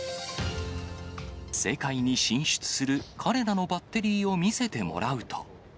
世界に進出する彼らのバッテリーを見せてもらうと。